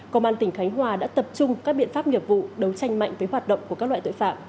công an tỉnh khánh hòa đã tập trung các biện pháp nghiệp vụ đấu tranh mạnh với hoạt động của các loại tội phạm